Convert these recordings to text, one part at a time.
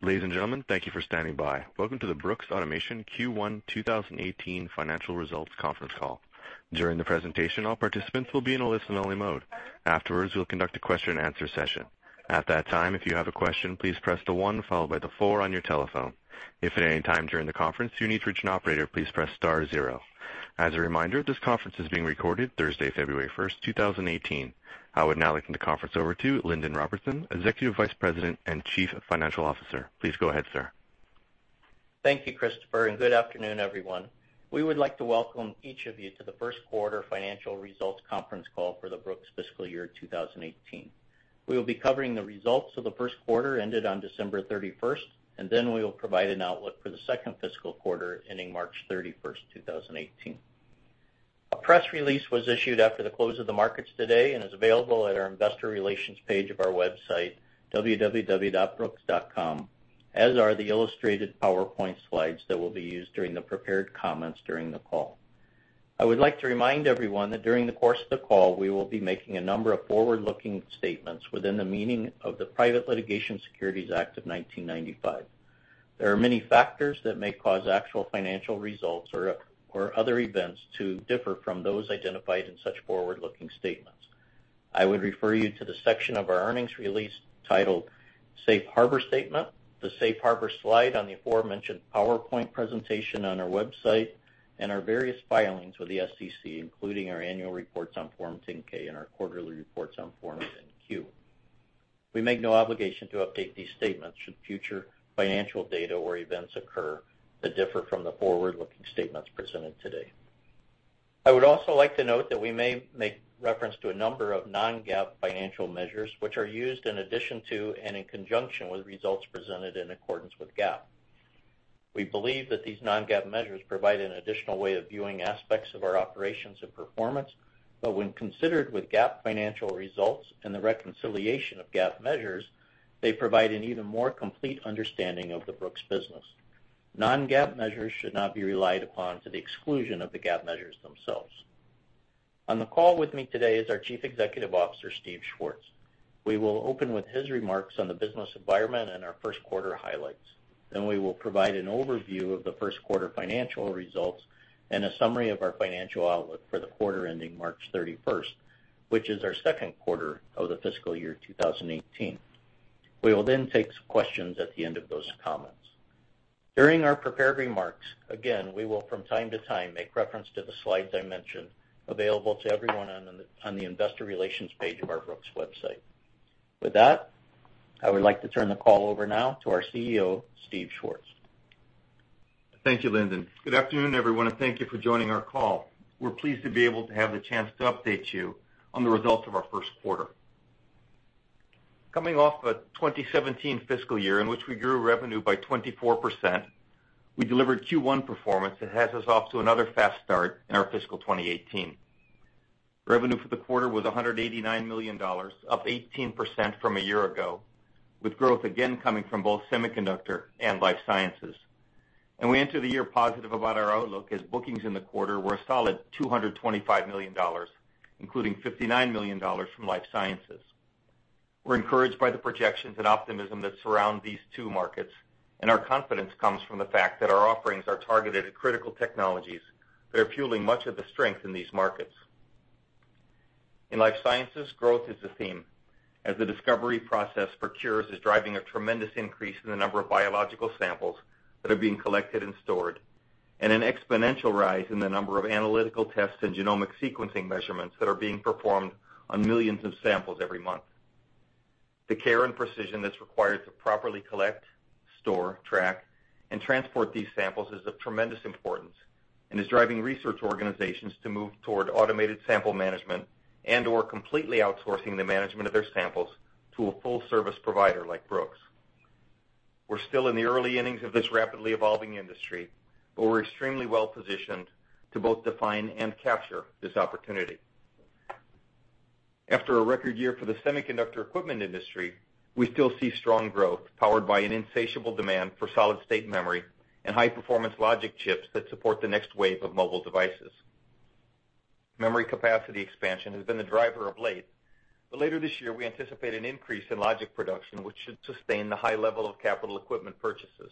Ladies and gentlemen, thank you for standing by. Welcome to the Brooks Automation Q1 2018 financial results conference call. During the presentation, all participants will be in a listen-only mode. Afterwards, we will conduct a question and answer session. At that time, if you have a question, please press the one followed by the four on your telephone. If at any time during the conference you need to reach an operator, please press star zero. As a reminder, this conference is being recorded Thursday, February 1st, 2018. I would now like to hand the conference over to Lindon Robertson, Executive Vice President and Chief Financial Officer. Please go ahead, sir. Thank you, Christopher. Good afternoon, everyone. We would like to welcome each of you to the first quarter financial results conference call for the Brooks fiscal year 2018. We will be covering the results of the first quarter ended on December 31st, we will provide an outlook for the second fiscal quarter ending March 31st, 2018. A press release was issued after the close of the markets today and is available at our investor relations page of our website, www.brooks.com, as are the illustrated PowerPoint slides that will be used during the prepared comments during the call. I would like to remind everyone that during the course of the call, we will be making a number of forward-looking statements within the meaning of the Private Securities Litigation Reform Act of 1995. There are many factors that may cause actual financial results or other events to differ from those identified in such forward-looking statements. I would refer you to the section of our earnings release titled Safe Harbor Statement, the Safe Harbor slide on the aforementioned PowerPoint presentation on our website, our various filings with the SEC, including our annual reports on Form 10-K and our quarterly reports on Form 10-Q. We make no obligation to update these statements should future financial data or events occur that differ from the forward-looking statements presented today. I would also like to note that we may make reference to a number of non-GAAP financial measures, which are used in addition to and in conjunction with results presented in accordance with GAAP. We believe that these non-GAAP measures provide an additional way of viewing aspects of our operations and performance, when considered with GAAP financial results and the reconciliation of GAAP measures, they provide an even more complete understanding of the Brooks business. Non-GAAP measures should not be relied upon to the exclusion of the GAAP measures themselves. On the call with me today is our Chief Executive Officer, Steve Schwartz. We will open with his remarks on the business environment and our first quarter highlights. We will provide an overview of the first quarter financial results and a summary of our financial outlook for the quarter ending March 31st, which is our second quarter of the fiscal year 2018. We will take some questions at the end of those comments. During our prepared remarks, again, we will from time to time make reference to the slides I mentioned, available to everyone on the investor relations page of our Brooks website. With that, I would like to turn the call over now to our CEO, Steve Schwartz. Thank you, Lindon. Good afternoon, everyone, and thank you for joining our call. We're pleased to be able to have the chance to update you on the results of our first quarter. Coming off a 2017 fiscal year in which we grew revenue by 24%, we delivered Q1 performance that has us off to another fast start in our fiscal 2018. Revenue for the quarter was $189 million, up 18% from a year ago, with growth again coming from both Semiconductor and Life Sciences. We enter the year positive about our outlook, as bookings in the quarter were a solid $225 million, including $59 million from Life Sciences. We're encouraged by the projections and optimism that surround these two markets, and our confidence comes from the fact that our offerings are targeted at critical technologies that are fueling much of the strength in these markets. In Life Sciences, growth is a theme, as the discovery process for cures is driving a tremendous increase in the number of biological samples that are being collected and stored, and an exponential rise in the number of analytical tests and genomic sequencing measurements that are being performed on millions of samples every month. The care and precision that's required to properly collect, store, track, and transport these samples is of tremendous importance and is driving research organizations to move toward automated sample management and/or completely outsourcing the management of their samples to a full-service provider like Brooks. We're still in the early innings of this rapidly evolving industry, but we're extremely well-positioned to both define and capture this opportunity. After a record year for the Semiconductor equipment industry, we still see strong growth powered by an insatiable demand for solid-state memory and high-performance logic chips that support the next wave of mobile devices. Memory capacity expansion has been the driver of late, but later this year, we anticipate an increase in logic production, which should sustain the high level of capital equipment purchases.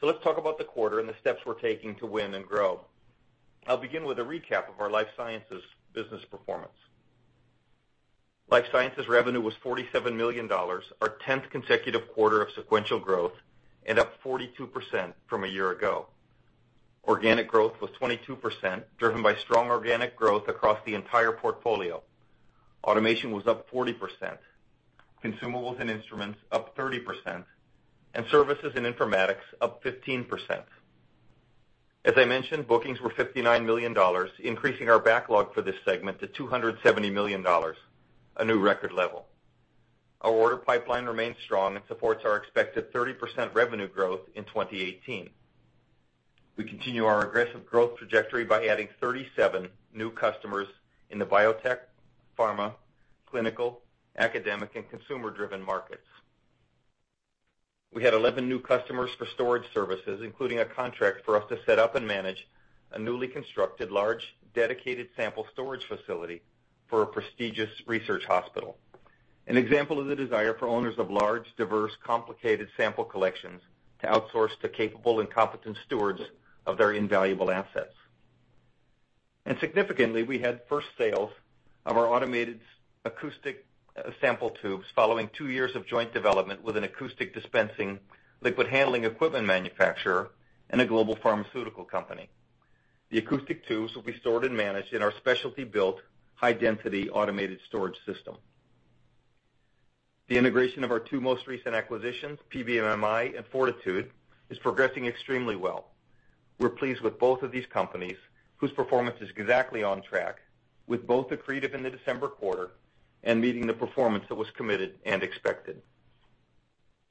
Let's talk about the quarter and the steps we're taking to win and grow. I'll begin with a recap of our Life Sciences business performance. Life Sciences revenue was $47 million, our 10th consecutive quarter of sequential growth and up 42% from a year ago. Organic growth was 22%, driven by strong organic growth across the entire portfolio. Automation was up 40%, consumables and instruments up 30%, and services and informatics up 15%. As I mentioned, bookings were $59 million, increasing our backlog for this segment to $270 million, a new record level. Our order pipeline remains strong and supports our expected 30% revenue growth in 2018. We continue our aggressive growth trajectory by adding 37 new customers in the biotech, pharma, clinical, academic, and consumer-driven markets. We had 11 new customers for storage services, including a contract for us to set up and manage a newly constructed large dedicated sample storage facility for a prestigious research hospital. An example of the desire for owners of large, diverse, complicated sample collections to outsource to capable and competent stewards of their invaluable assets. Significantly, we had first sales of our automated acoustic sample tubes following two years of joint development with an acoustic dispensing liquid handling equipment manufacturer and a global pharmaceutical company. The acoustic tubes will be stored and managed in our specialty built high-density automated storage system. The integration of our two most recent acquisitions, PBMMI and 4titude, is progressing extremely well. We're pleased with both of these companies, whose performance is exactly on track, with both accretive in the December quarter and meeting the performance that was committed and expected.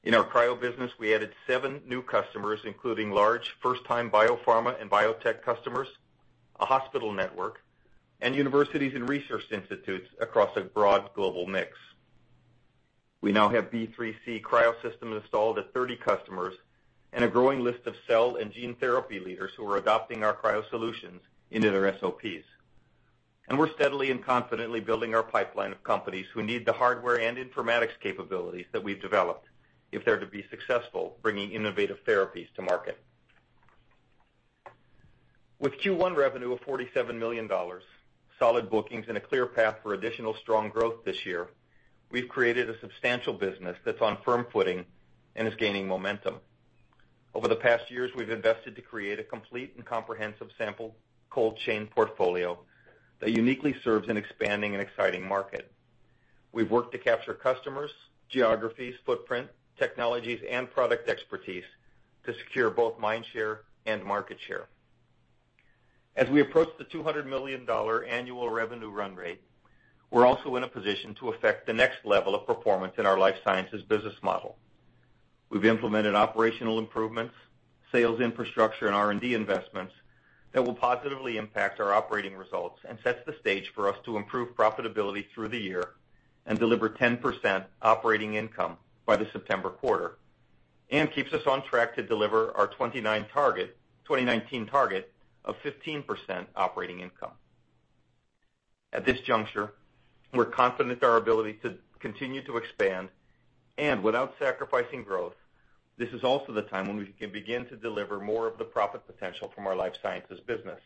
In our cryo business, we added seven new customers, including large first-time biopharma and biotech customers, a hospital network, and universities and research institutes across a broad global mix. We now have B3C cryo system installed at 30 customers and a growing list of cell and gene therapy leaders who are adopting our cryo solutions into their SOPs. We're steadily and confidently building our pipeline of companies who need the hardware and informatics capabilities that we've developed if they're to be successful, bringing innovative therapies to market. With Q1 revenue of $47 million, solid bookings, and a clear path for additional strong growth this year, we've created a substantial business that's on firm footing and is gaining momentum. Over the past years, we've invested to create a complete and comprehensive sample cold chain portfolio that uniquely serves an expanding and exciting market. We've worked to capture customers, geographies, footprint, technologies, and product expertise to secure both mind share and market share. As we approach the $200 million annual revenue run rate, we're also in a position to affect the next level of performance in our Life Sciences business model. We've implemented operational improvements, sales infrastructure, and R&D investments that will positively impact our operating results and sets the stage for us to improve profitability through the year and deliver 10% operating income by the September quarter, keeps us on track to deliver our 2019 target of 15% operating income. At this juncture, we're confident in our ability to continue to expand, without sacrificing growth, this is also the time when we can begin to deliver more of the profit potential from our Life Sciences business.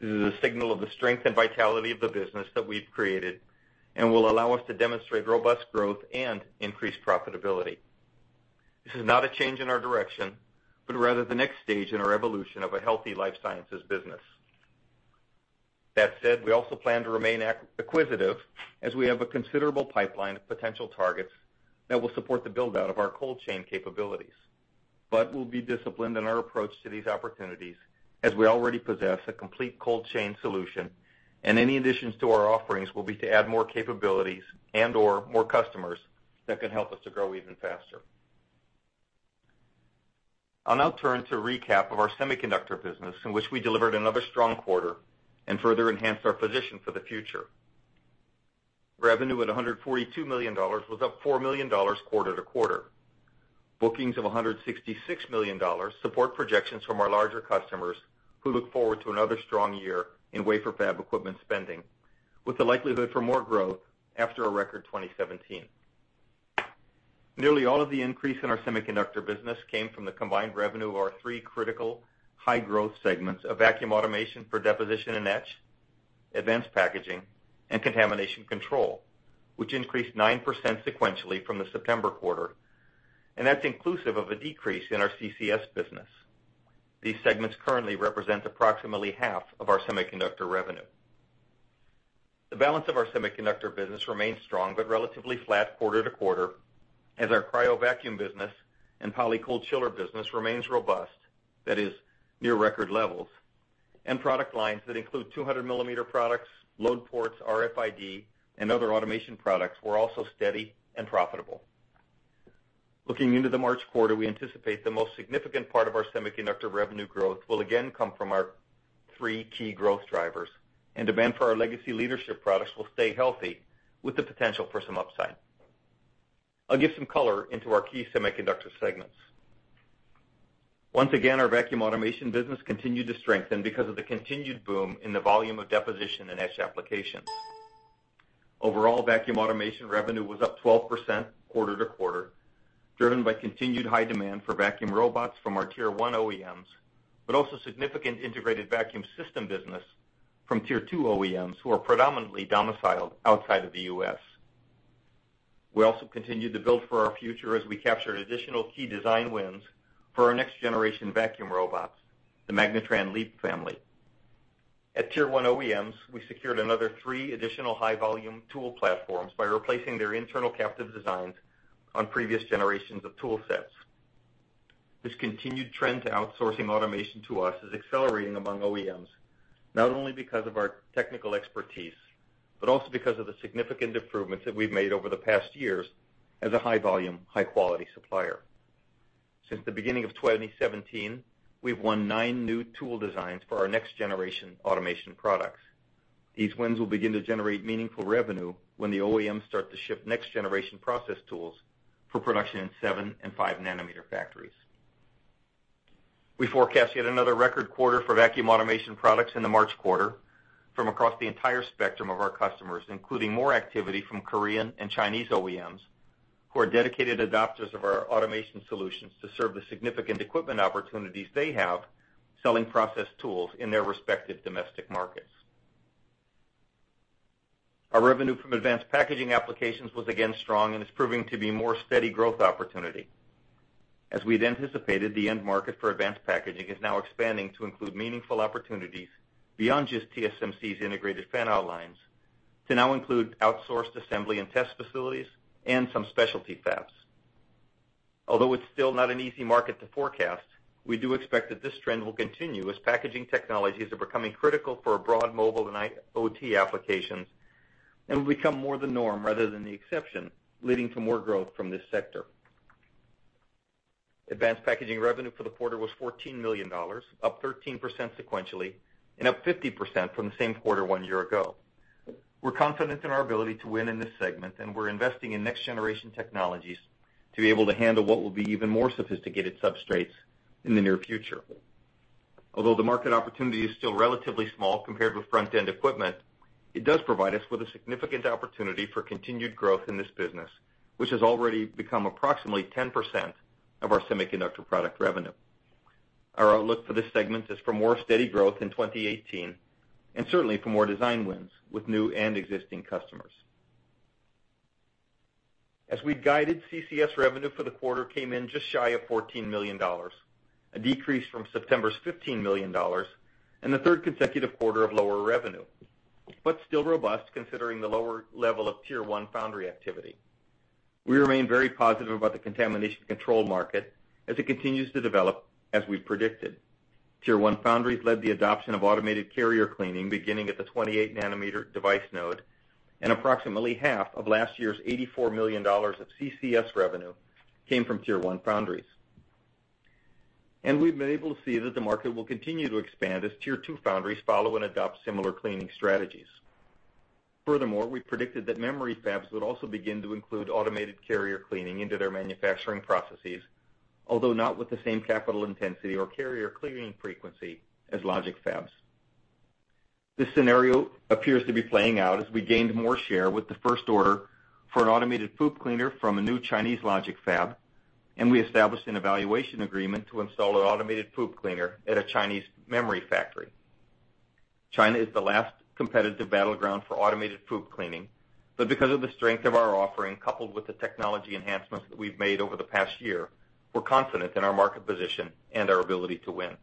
This is a signal of the strength and vitality of the business that we've created and will allow us to demonstrate robust growth and increased profitability. This is not a change in our direction, but rather the next stage in our evolution of a healthy Life Sciences business. That said, we also plan to remain acquisitive as we have a considerable pipeline of potential targets that will support the build-out of our cold chain capabilities. We'll be disciplined in our approach to these opportunities as we already possess a complete cold chain solution, and any additions to our offerings will be to add more capabilities and/or more customers that can help us to grow even faster. I'll now turn to a recap of our Semiconductor Solutions business in which we delivered another strong quarter and further enhanced our position for the future. Revenue at $142 million was up $4 million quarter-to-quarter. Bookings of $166 million support projections from our larger customers who look forward to another strong year in wafer fab equipment spending, with the likelihood for more growth after a record 2017. Nearly all of the increase in our Semiconductor Solutions business came from the combined revenue of our three critical high-growth segments of vacuum automation for deposition and etch, advanced packaging, and contamination control, which increased 9% sequentially from the September quarter, and that's inclusive of a decrease in our CCS business. These segments currently represent approximately half of our Semiconductor Solutions revenue. The balance of our Semiconductor Solutions business remains strong but relatively flat quarter-to-quarter as our cryo vacuum business and Polycold chiller business remains robust, that is near record levels, and product lines that include 200-millimeter products, load ports, RFID, and other automation products were also steady and profitable. Looking into the March quarter, we anticipate the most significant part of our Semiconductor Solutions revenue growth will again come from our three key growth drivers. Demand for our legacy leadership products will stay healthy with the potential for some upside. I'll give some color into our key Semiconductor Solutions segments. Once again, our vacuum automation business continued to strengthen because of the continued boom in the volume of deposition in etch applications. Overall, vacuum automation revenue was up 12% quarter-to-quarter, driven by continued high demand for vacuum robots from our tier 1 OEMs, but also significant integrated vacuum system business from tier 2 OEMs, who are predominantly domiciled outside of the U.S. We also continued to build for our future as we captured additional key design wins for our next generation vacuum robots, the MagnaTran LEAP family. At tier 1 OEMs, we secured another three additional high-volume tool platforms by replacing their internal captive designs on previous generations of tool sets. This continued trend to outsourcing automation to us is accelerating among OEMs, not only because of our technical expertise, but also because of the significant improvements that we've made over the past years as a high-volume, high-quality supplier. Since the beginning of 2017, we've won nine new tool designs for our next generation automation products. These wins will begin to generate meaningful revenue when the OEMs start to ship next generation process tools for production in seven and five nanometer factories. We forecast yet another record quarter for vacuum automation products in the March quarter from across the entire spectrum of our customers, including more activity from Korean and Chinese OEMs, who are dedicated adopters of our automation solutions to serve the significant equipment opportunities they have selling process tools in their respective domestic markets. Our revenue from advanced packaging applications was again strong and is proving to be more steady growth opportunity. As we'd anticipated, the end market for advanced packaging is now expanding to include meaningful opportunities beyond just TSMC's Integrated Fan-Out lines to now include outsourced assembly and test facilities and some specialty fabs. Although it's still not an easy market to forecast, we do expect that this trend will continue as packaging technologies are becoming critical for broad mobile and IoT applications, and will become more the norm rather than the exception, leading to more growth from this sector. Advanced packaging revenue for the quarter was $14 million, up 13% sequentially, and up 50% from the same quarter one year ago. We're confident in our ability to win in this segment, and we're investing in next-generation technologies to be able to handle what will be even more sophisticated substrates in the near future. Although the market opportunity is still relatively small compared with front-end equipment, it does provide us with a significant opportunity for continued growth in this business, which has already become approximately 10% of our semiconductor product revenue. Our outlook for this segment is for more steady growth in 2018, and certainly for more design wins with new and existing customers. As we'd guided, CCS revenue for the quarter came in just shy of $14 million, a decrease from September's $15 million, and the third consecutive quarter of lower revenue, but still robust considering the lower level of Tier 1 foundry activity. We remain very positive about the contamination control market as it continues to develop as we predicted. Tier 1 foundries led the adoption of automated carrier cleaning beginning at the 28 nanometer device node, and approximately half of last year's $84 million of CCS revenue came from Tier 1 foundries. We've been able to see that the market will continue to expand as Tier 2 foundries follow and adopt similar cleaning strategies. Furthermore, we predicted that memory fabs would also begin to include automated carrier cleaning into their manufacturing processes, although not with the same capital intensity or carrier cleaning frequency as logic fabs. This scenario appears to be playing out as we gained more share with the first order for an automated FOUP cleaner from a new Chinese logic fab, and we established an evaluation agreement to install an automated FOUP cleaner at a Chinese memory factory. China is the last competitive battleground for automated FOUP cleaning. Because of the strength of our offering, coupled with the technology enhancements that we've made over the past year, we're confident in our market position and our ability to win.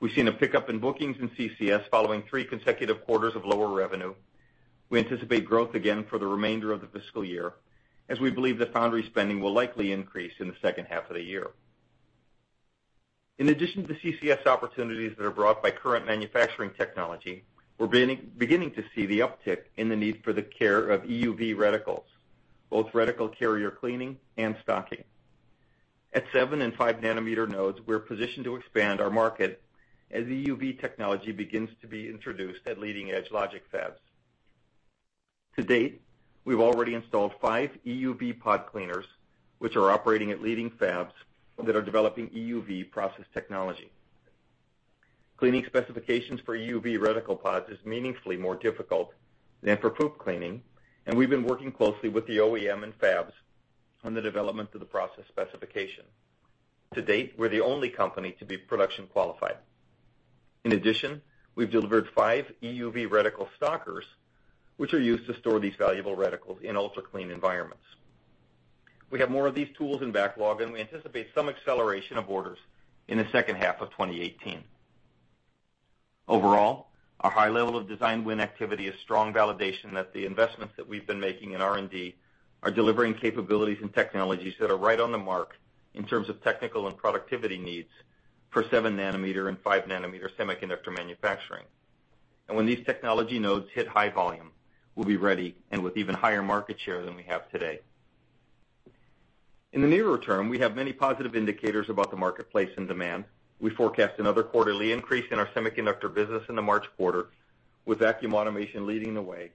We've seen a pickup in bookings in CCS following three consecutive quarters of lower revenue. We anticipate growth again for the remainder of the fiscal year, as we believe that foundry spending will likely increase in the second half of the year. In addition to CCS opportunities that are brought by current manufacturing technology, we're beginning to see the uptick in the need for the care of EUV reticles, both reticle carrier cleaning and stocking. At seven and five nanometer nodes, we're positioned to expand our market as EUV technology begins to be introduced at leading-edge logic fabs. To date, we've already installed five EUV pod cleaners, which are operating at leading fabs that are developing EUV process technology. Cleaning specifications for EUV reticle pods is meaningfully more difficult than for FOUP cleaning, and we've been working closely with the OEM and fabs on the development of the process specification. To date, we're the only company to be production qualified. In addition, we've delivered five EUV reticle stockers, which are used to store these valuable reticles in ultra-clean environments. We have more of these tools in backlog, we anticipate some acceleration of orders in the second half of 2018. Overall, our high level of design win activity is strong validation that the investments that we've been making in R&D are delivering capabilities and technologies that are right on the mark in terms of technical and productivity needs for seven nanometer and five nanometer semiconductor manufacturing. When these technology nodes hit high volume, we'll be ready with even higher market share than we have today. In the nearer term, we have many positive indicators about the marketplace and demand. We forecast another quarterly increase in our Semiconductor business in the March quarter with vacuum automation leading the way,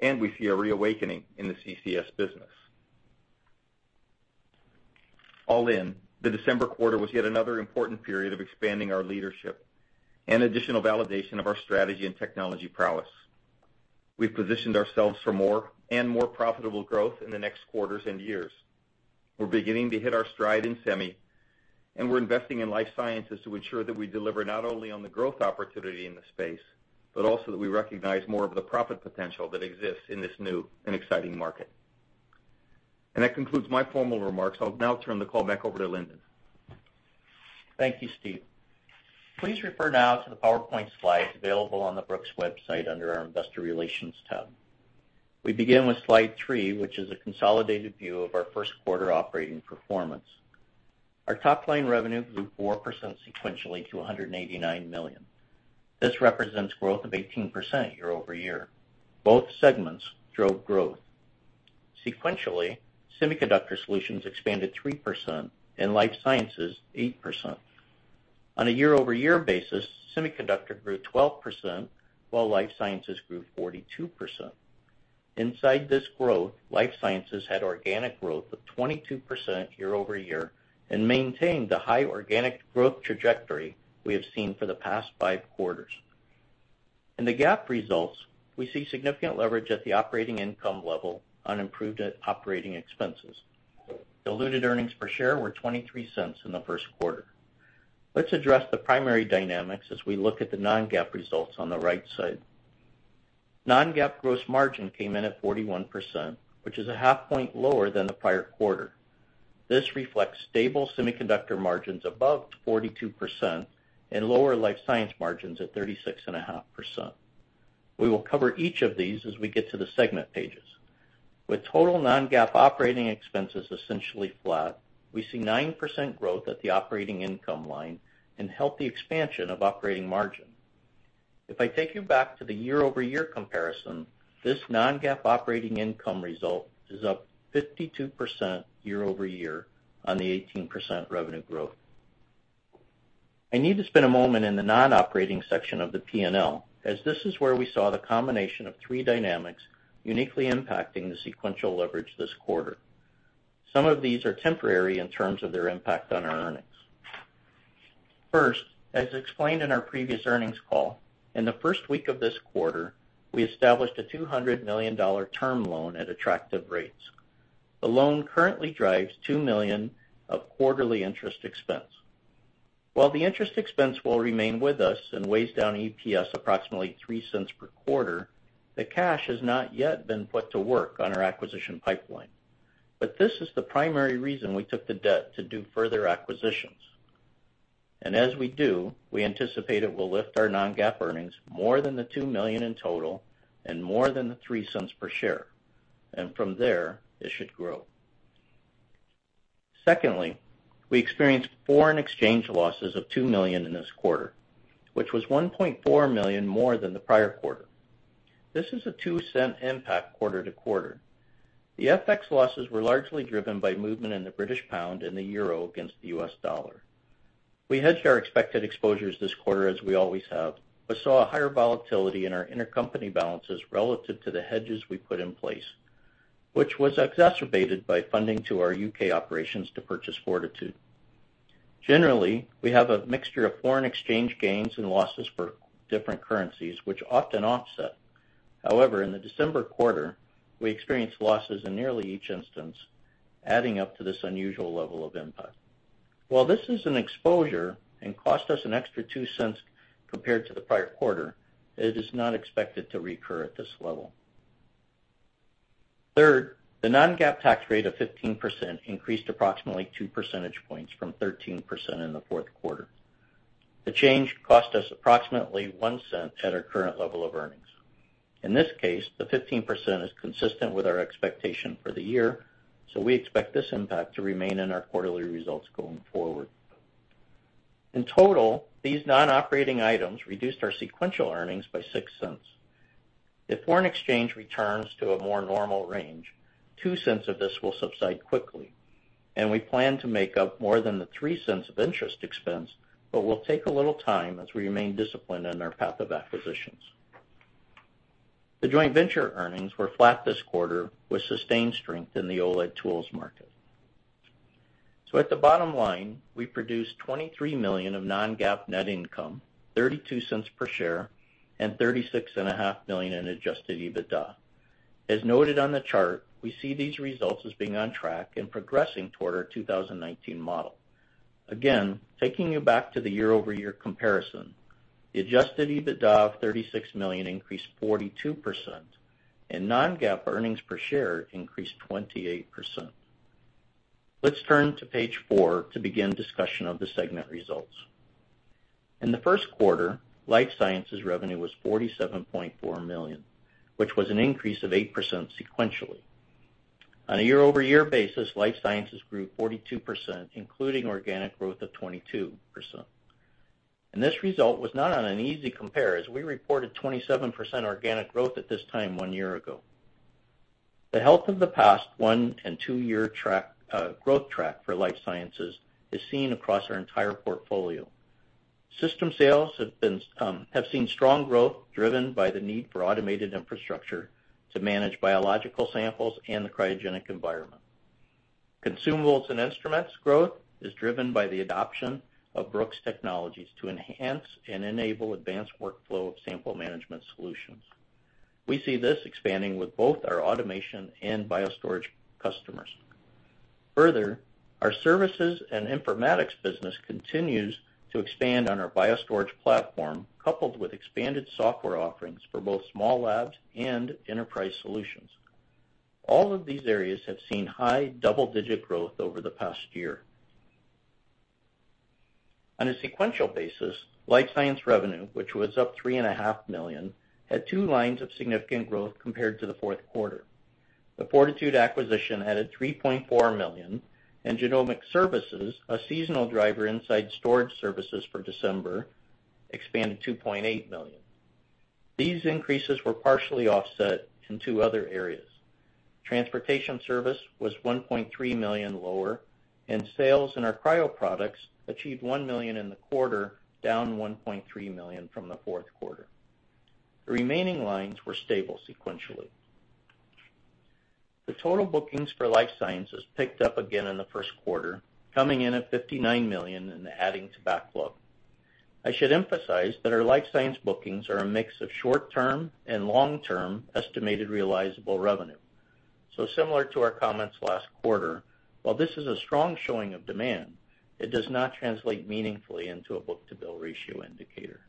we see a reawakening in the CCS business. All in, the December quarter was yet another important period of expanding our leadership and additional validation of our strategy and technology prowess. We've positioned ourselves for more and more profitable growth in the next quarters and years. We're beginning to hit our stride in semi, we're investing in Life Sciences to ensure that we deliver not only on the growth opportunity in the space, but also that we recognize more of the profit potential that exists in this new and exciting market. That concludes my formal remarks. I'll now turn the call back over to Lindon. Thank you, Steve. Please refer now to the PowerPoint slides available on the brooks website under our Investor Relations tab. We begin with slide three, which is a consolidated view of our first quarter operating performance. Our top-line revenue grew 4% sequentially to $189 million. This represents growth of 18% year-over-year. Both segments drove growth. Sequentially, Semiconductor Solutions expanded 3%, Life Sciences 8%. On a year-over-year basis, Semiconductor grew 12%, while Life Sciences grew 42%. Inside this growth, Life Sciences had organic growth of 22% year-over-year and maintained the high organic growth trajectory we have seen for the past five quarters. In the GAAP results, we see significant leverage at the operating income level on improved operating expenses. Diluted earnings per share were $0.23 in the first quarter. Let's address the primary dynamics as we look at the non-GAAP results on the right side. Non-GAAP gross margin came in at 41%, which is a half point lower than the prior quarter. This reflects stable semiconductor margins above 42% and lower life science margins at 36.5%. We will cover each of these as we get to the segment pages. With total non-GAAP operating expenses essentially flat, we see 9% growth at the operating income line and healthy expansion of operating margin. If I take you back to the year-over-year comparison, this non-GAAP operating income result is up 52% year-over-year on the 18% revenue growth. I need to spend a moment in the non-operating section of the P&L, as this is where we saw the combination of three dynamics uniquely impacting the sequential leverage this quarter. Some of these are temporary in terms of their impact on our earnings. As explained in our previous earnings call, in the first week of this quarter, we established a $200 million term loan at attractive rates. The loan currently drives $2 million of quarterly interest expense. While the interest expense will remain with us and weighs down EPS approximately $0.03 per quarter, the cash has not yet been put to work on our acquisition pipeline. This is the primary reason we took the debt to do further acquisitions. As we do, we anticipate it will lift our non-GAAP earnings more than the $2 million in total and more than the $0.03 per share. From there, it should grow. We experienced foreign exchange losses of $2 million in this quarter, which was $1.4 million more than the prior quarter. This is a $0.02 impact quarter-to-quarter. The FX losses were largely driven by movement in the GBP and the EUR against the USD. We hedged our expected exposures this quarter as we always have, but saw a higher volatility in our intercompany balances relative to the hedges we put in place, which was exacerbated by funding to our U.K. operations to purchase 4titude. Generally, we have a mixture of foreign exchange gains and losses for different currencies, which often offset. In the December quarter, we experienced losses in nearly each instance, adding up to this unusual level of impact. While this is an exposure and cost us an extra $0.02 compared to the prior quarter, it is not expected to recur at this level. The non-GAAP tax rate of 15% increased approximately two percentage points from 13% in the fourth quarter. The change cost us approximately $0.01 at our current level of earnings. In this case, the 15% is consistent with our expectation for the year, we expect this impact to remain in our quarterly results going forward. In total, these non-operating items reduced our sequential earnings by $0.06. If foreign exchange returns to a more normal range, $0.02 of this will subside quickly, and we plan to make up more than the $0.03 of interest expense, will take a little time as we remain disciplined in our path of acquisitions. The joint venture earnings were flat this quarter, with sustained strength in the OLED tools market. At the bottom line, we produced $23 million of non-GAAP net income, $0.32 per share, and $36.5 million in adjusted EBITDA. As noted on the chart, we see these results as being on track and progressing toward our 2019 model. Taking you back to the year-over-year comparison, the adjusted EBITDA of $36 million increased 42%, and non-GAAP EPS increased 28%. Let's turn to page four to begin discussion of the segment results. In the first quarter, Life Sciences revenue was $47.4 million, which was an increase of 8% sequentially. On a year-over-year basis, Life Sciences grew 42%, including organic growth of 22%. This result was not on an easy compare, as we reported 27% organic growth at this time one year ago. The health of the past one and two year growth track for Life Sciences is seen across our entire portfolio. System sales have seen strong growth driven by the need for automated infrastructure to manage biological samples and the cryogenic environment. Consumables and instruments growth is driven by the adoption of Brooks Technologies to enhance and enable advanced workflow of sample management solutions. We see this expanding with both our automation and BioStorage customers. Further, our services and informatics business continues to expand on our BioStorage platform, coupled with expanded software offerings for both small labs and enterprise solutions. All of these areas have seen high double-digit growth over the past year. On a sequential basis, Life Sciences revenue, which was up three and a half million, had two lines of significant growth compared to the fourth quarter. The 4titude acquisition added $3.4 million, and genomic services, a seasonal driver inside storage services for December, expanded $2.8 million. These increases were partially offset in two other areas. Transportation service was $1.3 million lower, and sales in our cryo products achieved $1 million in the quarter, down $1.3 million from the fourth quarter. The remaining lines were stable sequentially. The total bookings for Life Sciences picked up again in the first quarter, coming in at $59 million and adding to backlog. I should emphasize that our Life Sciences bookings are a mix of short-term and long-term estimated realizable revenue. Similar to our comments last quarter, while this is a strong showing of demand, it does not translate meaningfully into a book-to-bill ratio indicator.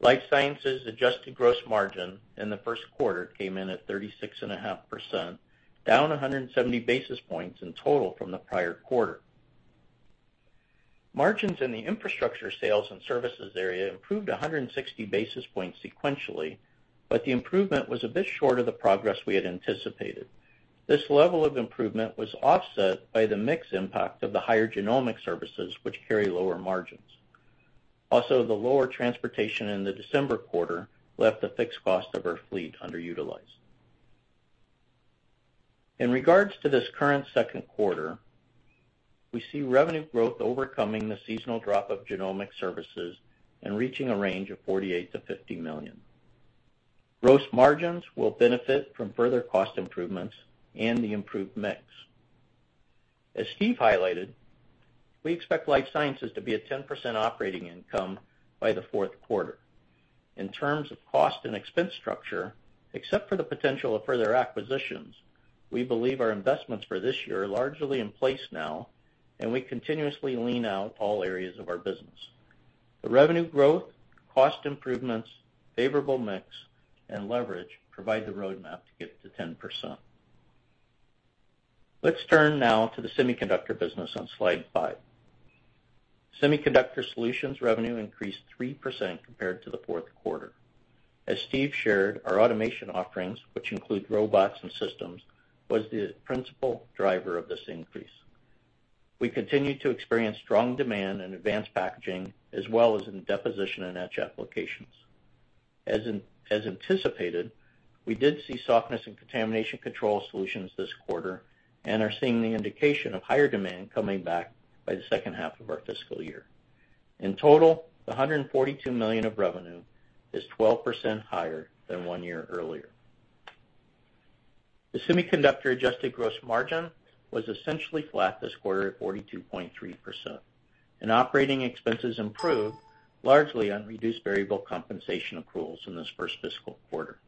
Life Sciences adjusted gross margin in the first quarter came in at 36.5%, down 170 basis points in total from the prior quarter. Margins in the infrastructure sales and services area improved 160 basis points sequentially, the improvement was a bit short of the progress we had anticipated. This level of improvement was offset by the mix impact of the higher genomic services, which carry lower margins. The lower transportation in the December quarter left the fixed cost of our fleet underutilized. In regards to this current second quarter, we see revenue growth overcoming the seasonal drop of genomic services and reaching a range of $48 million-$50 million. Gross margins will benefit from further cost improvements and the improved mix. As Steve highlighted, we expect Life Sciences to be at 10% operating income by the fourth quarter. In terms of cost and expense structure, except for the potential of further acquisitions, we believe our investments for this year are largely in place now, we continuously lean out all areas of our business. The revenue growth, cost improvements, favorable mix, and leverage provide the roadmap to get to 10%. Let's turn now to the semiconductor business on slide five. Semiconductor Solutions revenue increased 3% compared to the fourth quarter. As Steve shared, our automation offerings, which include robots and systems, was the principal driver of this increase. We continue to experience strong demand in advanced packaging as well as in deposition and etch applications. As anticipated, we did see softness in contamination control solutions this quarter and are seeing the indication of higher demand coming back by the second half of our fiscal year. In total, the $142 million of revenue is 12% higher than one year earlier. The Semiconductor Solutions adjusted gross margin was essentially flat this quarter at 42.3%, and operating expenses improved largely on reduced variable compensation accruals in this first fiscal quarter.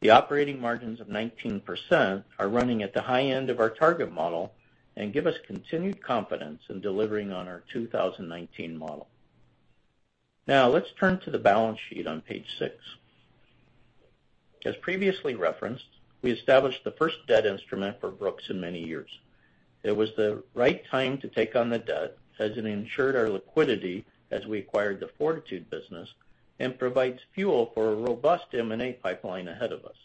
The operating margins of 19% are running at the high end of our target model and give us continued confidence in delivering on our 2019 model. Let's turn to the balance sheet on page six. As previously referenced, we established the first debt instrument for Brooks in many years. It was the right time to take on the debt, as it ensured our liquidity as we acquired the 4titude business and provides fuel for a robust M&A pipeline ahead of us.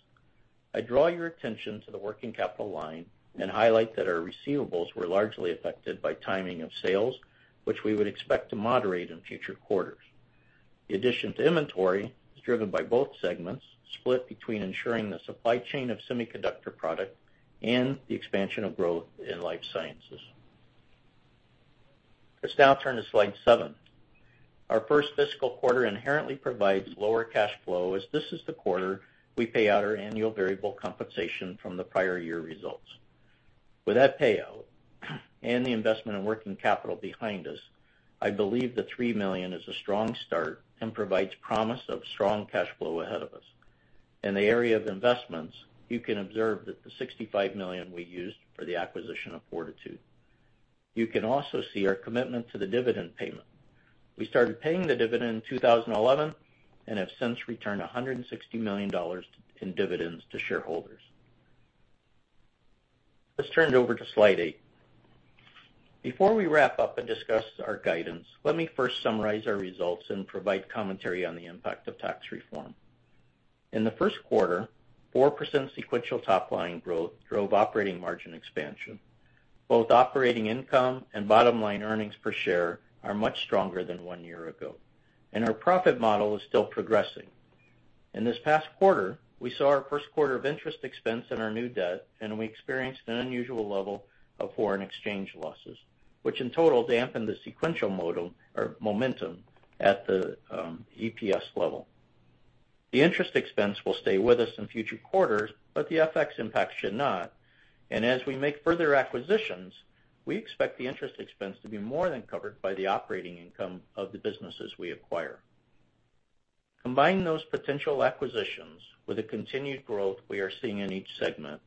I draw your attention to the working capital line and highlight that our receivables were largely affected by timing of sales, which we would expect to moderate in future quarters. The addition to inventory is driven by both segments, split between ensuring the supply chain of Semiconductor Solutions product and the expansion of growth in Life Sciences. Let's now turn to slide seven. Our first fiscal quarter inherently provides lower cash flow, as this is the quarter we pay out our annual variable compensation from the prior year results. With that payout and the investment in working capital behind us, I believe the $3 million is a strong start and provides promise of strong cash flow ahead of us. In the area of investments, you can observe that the $65 million we used for the acquisition of 4titude. You can also see our commitment to the dividend payment. We started paying the dividend in 2011 and have since returned $160 million in dividends to shareholders. Let's turn it over to slide eight. Before we wrap up and discuss our guidance, let me first summarize our results and provide commentary on the impact of tax reform. In the first quarter, 4% sequential top-line growth drove operating margin expansion. Both operating income and bottom-line earnings per share are much stronger than one year ago, and our profit model is still progressing. In this past quarter, we saw our first quarter of interest expense in our new debt, and we experienced an unusual level of foreign exchange losses, which in total dampened the sequential momentum at the EPS level. The interest expense will stay with us in future quarters, but the FX impact should not, and as we make further acquisitions, we expect the interest expense to be more than covered by the operating income of the businesses we acquire. Combine those potential acquisitions with the continued growth we are seeing in each segment,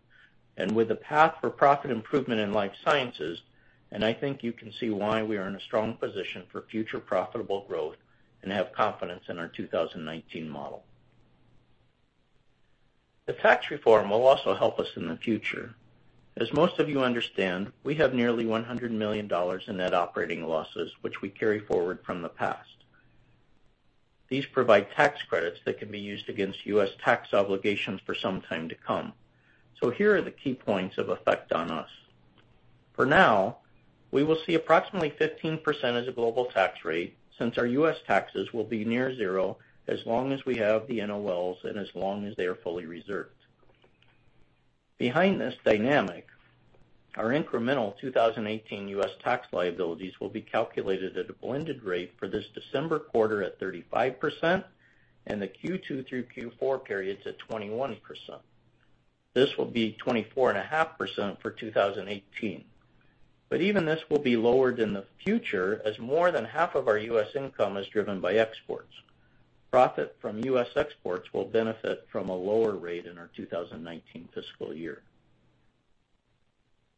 and with the path for profit improvement in Life Sciences, and I think you can see why we are in a strong position for future profitable growth and have confidence in our 2019 model. The tax reform will also help us in the future. As most of you understand, we have nearly $100 million in net operating losses, which we carry forward from the past. These provide tax credits that can be used against U.S. tax obligations for some time to come. Here are the key points of effect on us. For now, we will see approximately 15% as a global tax rate since our U.S. taxes will be near zero as long as we have the NOLs and as long as they are fully reserved. Behind this dynamic, our incremental 2018 U.S. tax liabilities will be calculated at a blended rate for this December quarter at 35%, and the Q2 through Q4 periods at 21%. This will be 24.5% for 2018. Even this will be lower than the future, as more than half of our U.S. income is driven by exports. Profit from U.S. exports will benefit from a lower rate in our 2019 fiscal year.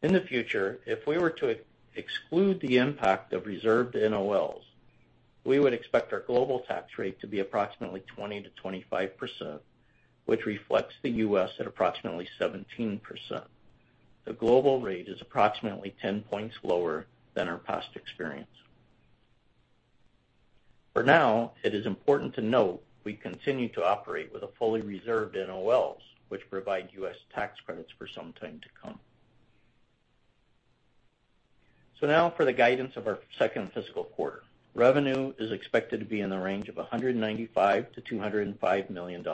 In the future, if we were to exclude the impact of reserved NOLs, we would expect our global tax rate to be approximately 20%-25%, which reflects the U.S. at approximately 17%. The global rate is approximately 10 points lower than our past experience. For now, it is important to note we continue to operate with a fully reserved NOLs, which provide U.S. tax credits for some time to come. Now for the guidance of our second fiscal quarter. Revenue is expected to be in the range of $195 million-$205 million.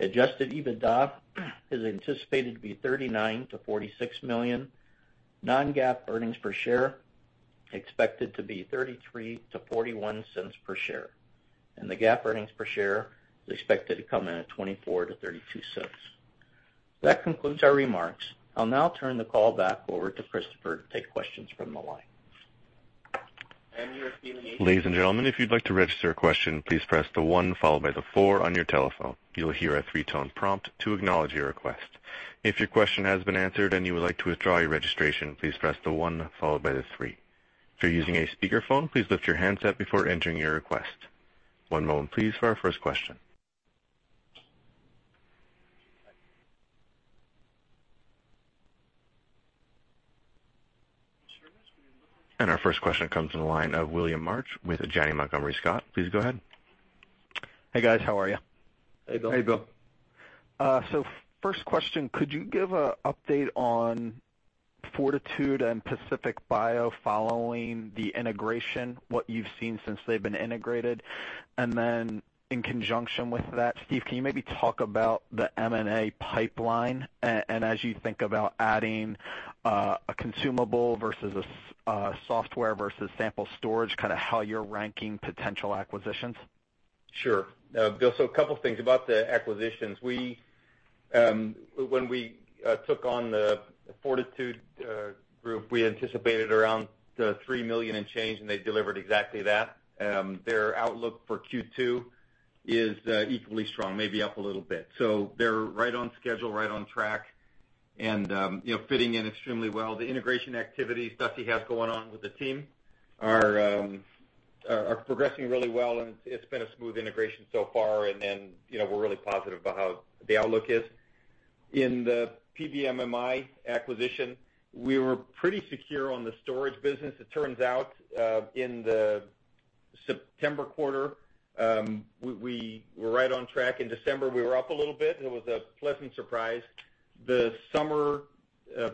Adjusted EBITDA is anticipated to be $39 million-$46 million. Non-GAAP earnings per share expected to be $0.33-$0.41 per share. The GAAP earnings per share is expected to come in at $0.24-$0.32. That concludes our remarks. I'll now turn the call back over to Christopher to take questions from the line. Ladies and gentlemen, if you'd like to register a question, please press the one followed by the four on your telephone. You'll hear a 3-tone prompt to acknowledge your request. If your question has been answered and you would like to withdraw your registration, please press the one followed by the three. If you're using a speakerphone, please lift your handset before entering your request. One moment please for our first question. Our first question comes from the line of William Marsh with Janney Montgomery Scott. Please go ahead. Hey, guys. How are you? Hey, Bill. Hey, Bill. First question, could you give an update on 4titude and Pacific Bio following the integration, what you've seen since they've been integrated? In conjunction with that, Steve, can you maybe talk about the M&A pipeline and as you think about adding a consumable versus a software versus sample storage, kind of how you're ranking potential acquisitions? Sure. Bill, a couple of things about the acquisitions. When we took on the 4titude group, we anticipated around the $3 million and change, and they delivered exactly that. Their outlook for Q2 is equally strong, maybe up a little bit. They're right on schedule, right on track and fitting in extremely well. The integration activities Dusty has going on with the team are progressing really well, and it's been a smooth integration so far, and we're really positive about how the outlook is. In the PBMMI acquisition, we were pretty secure on the storage business. It turns out, in the September quarter, we were right on track. In December, we were up a little bit, and it was a pleasant surprise. The summer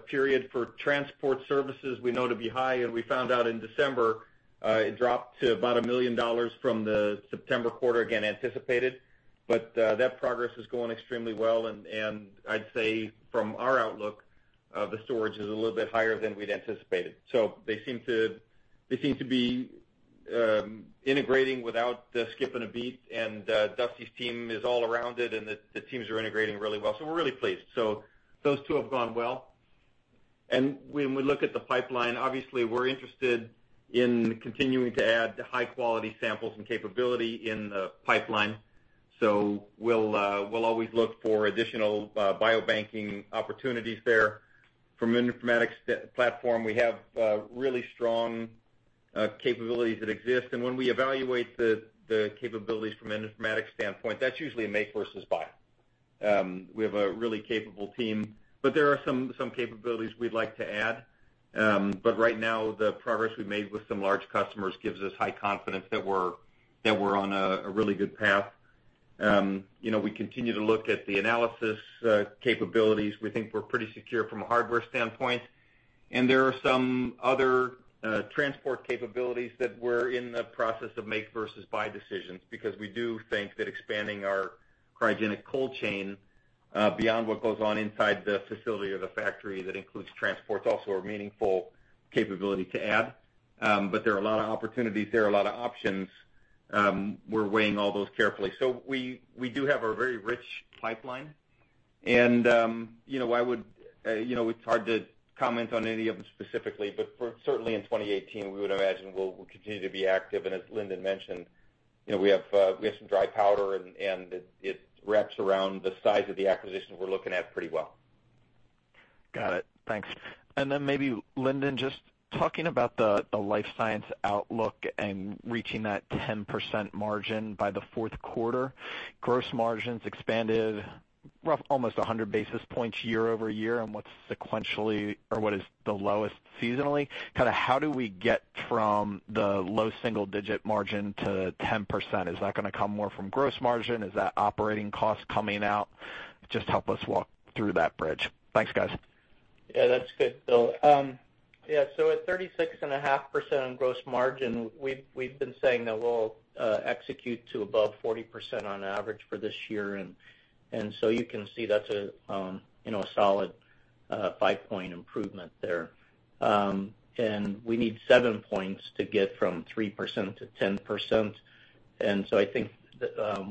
period for transport services we know to be high, we found out in December, it dropped to about $1 million from the September quarter, again, anticipated. That progress is going extremely well, and I'd say from our outlook, the storage is a little bit higher than we'd anticipated. They seem to be integrating without skipping a beat, and Dusty's team is all around it, and the teams are integrating really well. We're really pleased. Those two have gone well. When we look at the pipeline, obviously, we're interested in continuing to add high-quality samples and capability in the pipeline. We'll always look for additional biobanking opportunities there. From an informatics platform, we have really strong capabilities that exist, and when we evaluate the capabilities from an informatics standpoint, that's usually a make versus buy. We have a really capable team, there are some capabilities we'd like to add. Right now, the progress we've made with some large customers gives us high confidence that we're on a really good path. We continue to look at the analysis capabilities. We think we're pretty secure from a hardware standpoint. There are some other transport capabilities that we're in the process of make versus buy decisions, because we do think that expanding our cryogenic cold chain beyond what goes on inside the facility or the factory, that includes transport's also a meaningful capability to add. There are a lot of opportunities, there are a lot of options. We're weighing all those carefully. We do have a very rich pipeline, and it's hard to comment on any of them specifically, but certainly in 2018, we would imagine we'll continue to be active, and as Lindon mentioned, we have some dry powder, and it wraps around the size of the acquisition we're looking at pretty well. Got it. Thanks. Maybe Lindon, just talking about the Life Sciences outlook and reaching that 10% margin by the fourth quarter. Gross margins expanded almost 100 basis points year-over-year on what's sequentially or what is the lowest seasonally. How do we get from the low single-digit margin to 10%? Is that going to come more from gross margin? Is that operating cost coming out? Just help us walk through that bridge. Thanks, guys. That's good, Bill. At 36.5% on gross margin, we've been saying that we'll execute to above 40% on average for this year. You can see that's a solid five-point improvement there. We need seven points to get from 3% to 10%. I think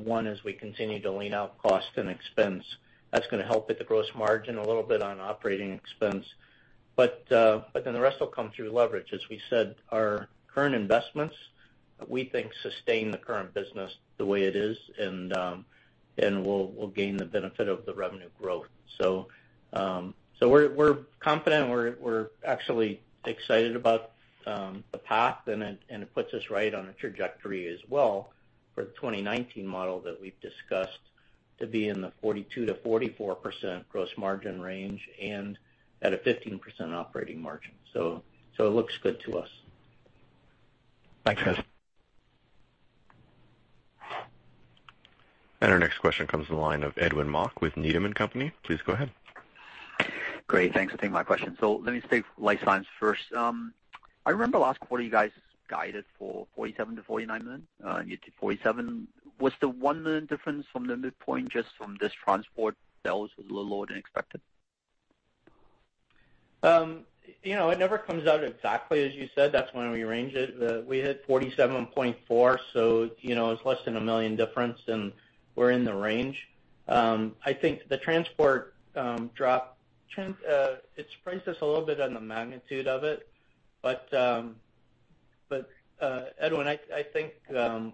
one is we continue to lean out cost and expense. That's going to help with the gross margin a little bit on operating expense. The rest will come through leverage. As we said, our current investments, we think, sustain the current business the way it is, and we'll gain the benefit of the revenue growth. We're confident, we're actually excited about the path, and it puts us right on a trajectory as well for the 2019 model that we've discussed to be in the 42%-44% gross margin range, and at a 15% operating margin. It looks good to us. Thanks, guys. Our next question comes to the line of Edwin Mok with Needham & Company. Please go ahead. Great. Thanks for taking my question. Let me stay Life Sciences first. I remember last quarter you guys guided for $47 million-$49 million, and you did $47 million. Was the $1 million difference from the midpoint just from this transport that was a little lower than expected? It never comes out exactly as you said. That's when we range it. We hit $47.4, so it's less than a $1 million difference, and we're in the range. Edwin, I think,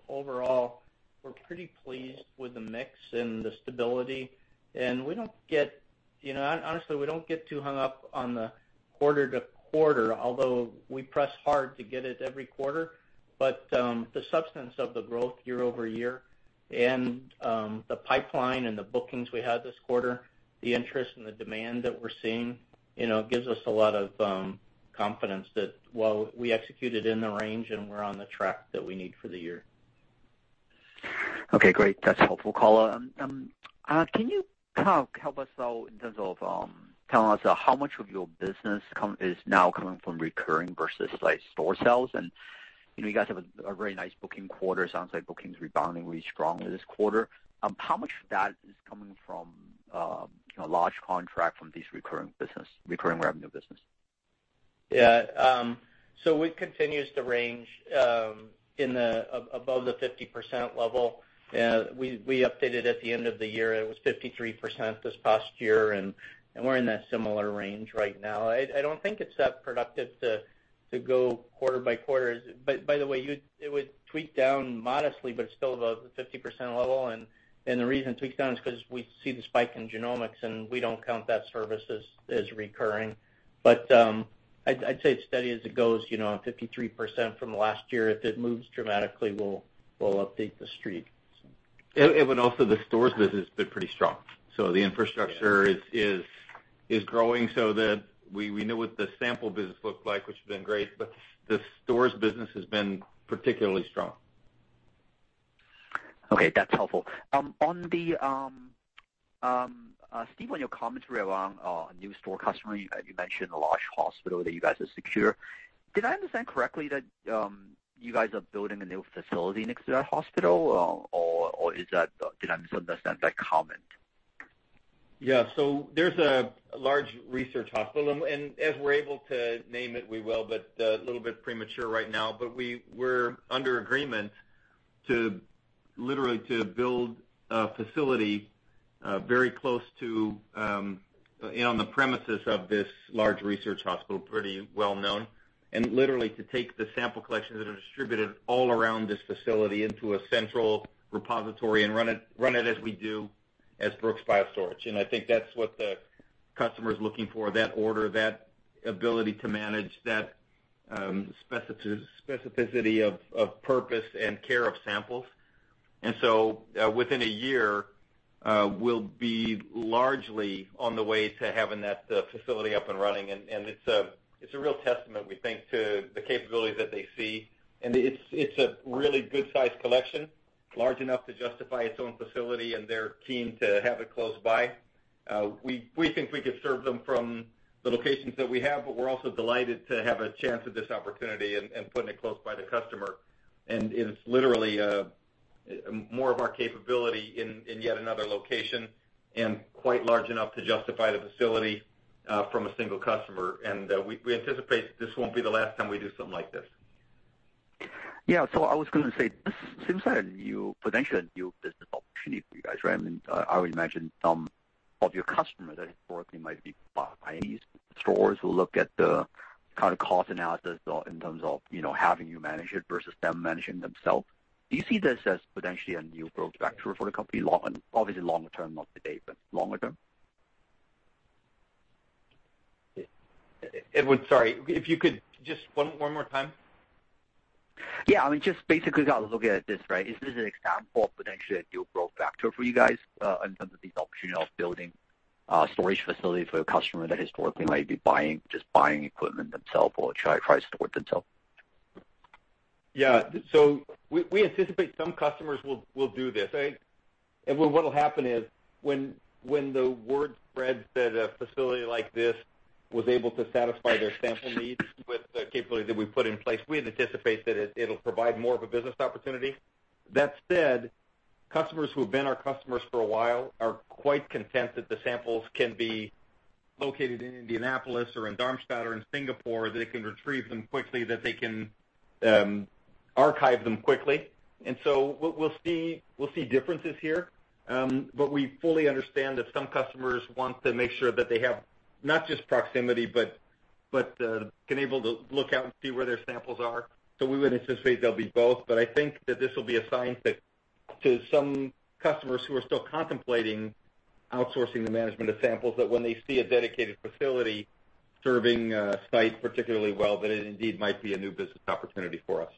overall, we're pretty pleased with the mix and the stability, and honestly, we don't get too hung up on the quarter-to-quarter, although we press hard to get it every quarter. The substance of the growth year-over-year and the pipeline and the bookings we had this quarter, the interest and the demand that we're seeing gives us a lot of confidence that while we executed in the range and we're on the track that we need for the year. Okay, great. That's helpful, Colin. Can you help us out in terms of telling us how much of your business is now coming from recurring versus store sales? You guys have a very nice booking quarter. Sounds like bookings rebounding really strongly this quarter. How much of that is coming from a large contract from these recurring revenue business? Yeah. It continues to range above the 50% level. We updated at the end of the year. It was 53% this past year, and we're in that similar range right now. I don't think it's that productive to go quarter-by-quarter. By the way, it would tweak down modestly but still above the 50% level, and the reason it tweaks down is because we see the spike in genomics, and we don't count that service as recurring. I'd say it's steady as it goes, 53% from last year. If it moves dramatically, we'll update The Street. Edwin, also the stores business has been pretty strong. The infrastructure is growing so that we know what the sample business looks like, which has been great, the stores business has been particularly strong. Okay, that's helpful. Steve, on your commentary around a new store customer, you mentioned a large hospital that you guys have secured. Did I understand correctly that you guys are building a new facility next to that hospital, or did I misunderstand that comment? There's a large research hospital. As we're able to name it, we will, but a little bit premature right now. We're under agreement literally to build a facility very close to and on the premises of this large research hospital, pretty well-known, and literally to take the sample collections that are distributed all around this facility into a central repository and run it as we do as Brooks BioStorage. I think that's what the customer's looking for, that order, that ability to manage that specificity of purpose and care of samples. Within a year, we'll be largely on the way to having that facility up and running. It's a real testament, we think, to the capabilities that they see. It's a really good size collection, large enough to justify its own facility, and they're keen to have it close by. We think we could serve them from the locations that we have. We're also delighted to have a chance at this opportunity and putting it close by the customer. It's literally more of our capability in yet another location and quite large enough to justify the facility from a single customer. We anticipate this won't be the last time we do something like this. I was going to say, this seems like a potential new business opportunity for you guys, right? I would imagine some of your customers that historically might be buying these stores will look at the cost analysis in terms of having you manage it versus them managing themselves. Do you see this as potentially a new growth factor for the company? Obviously longer term, not today, but longer term. Edwin, sorry. If you could just one more time. I mean, just basically got to look at this, right? Is this an example of potentially a new growth factor for you guys in terms of this opportunity of building a storage facility for a customer that historically might be just buying equipment themselves or try to store it themselves? We anticipate some customers will do this. What'll happen is when the word spreads that a facility like this was able to satisfy their sample needs with the capability that we put in place, we anticipate that it'll provide more of a business opportunity. That said, customers who have been our customers for a while are quite content that the samples can be located in Indianapolis or in Darmstadt or in Singapore, they can retrieve them quickly, that they can archive them quickly. We'll see differences here, but we fully understand that some customers want to make sure that they have not just proximity, but can able to look out and see where their samples are. We would anticipate there'll be both, I think that this will be a sign to some customers who are still contemplating outsourcing the management of samples, that when they see a dedicated facility serving a site particularly well, that it indeed might be a new business opportunity for us.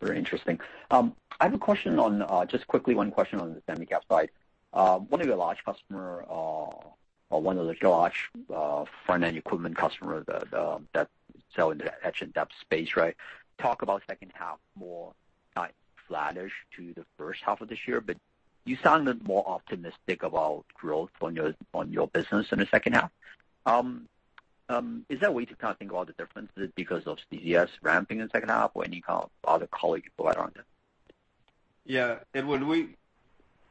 Very interesting. I have a question on, just quickly, one question on the semi cap side. One of your large customer, or one of the large front-end equipment customer that sell into etch and dep space. Talk about second half more flattish to the first half of this year, but you sound a bit more optimistic about growth on your business in the second half. Is there a way to kind of think about the differences because of CCS ramping in second half or any kind of other color you can provide on that? Edwin,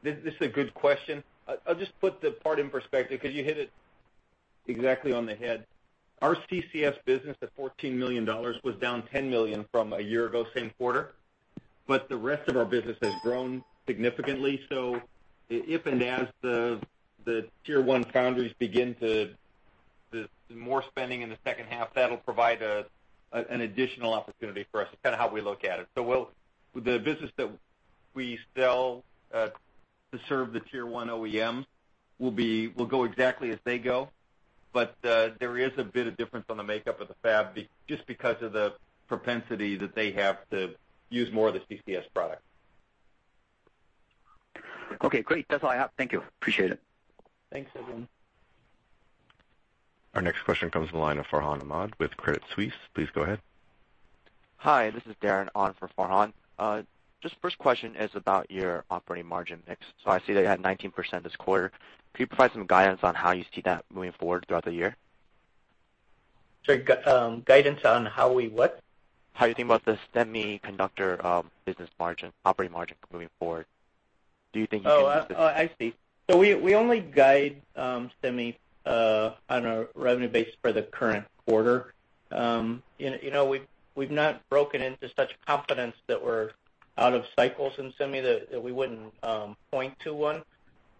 this is a good question. I'll just put the part in perspective, because you hit it exactly on the head. Our CCS business at $14 million was down $10 million from a year ago, same quarter. The rest of our business has grown significantly. If and as the Tier 1 foundries begin the more spending in the second half, that'll provide an additional opportunity for us, is kind of how we look at it. The business that we sell to serve the Tier 1 OEMs will go exactly as they go. There is a bit of difference on the makeup of the fab just because of the propensity that they have to use more of the CCS product. Great. That's all I have. Thank you. Appreciate it. Thanks, Edwin. Our next question comes from the line of Farhan Ahmad with Credit Suisse. Please go ahead. Hi, this is Darren on for Farhan. Just first question is about your operating margin mix. I see that you had 19% this quarter. Could you provide some guidance on how you see that moving forward throughout the year? Sorry, guidance on how we what? How you think about the semiconductor business margin, operating margin moving forward. Do you think- Oh, I see. We only guide semi on a revenue basis for the current quarter. We've not broken into such confidence that we're out of cycles in semi that we wouldn't point to one.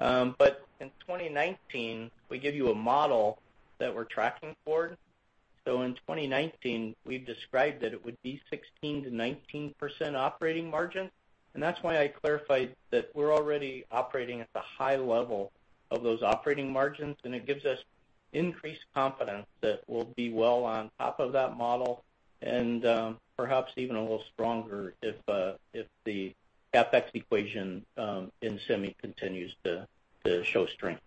In 2019, we give you a model that we're tracking for. In 2019, we've described that it would be 16%-19% operating margin, and that's why I clarified that we're already operating at the high level of those operating margins, and it gives us increased confidence that we'll be well on top of that model and perhaps even a little stronger if the CapEx equation in semi continues to show strength.